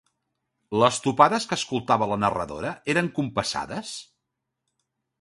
Les topades que escoltava la narradora eren compassades?